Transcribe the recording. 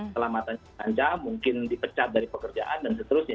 selamatnya terancam mungkin dipecat dari pekerjaan dan seterusnya